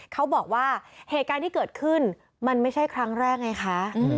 เขาบอกว่าเหตุการณ์ที่เกิดขึ้นมันไม่ใช่ครั้งแรกไงคะ